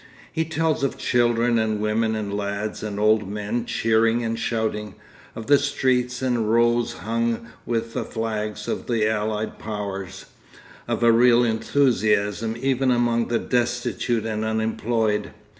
He tells of children and women and lads and old men cheering and shouting, of the streets and rows hung with the flags of the Allied Powers, of a real enthusiasm even among the destitute and unemployed.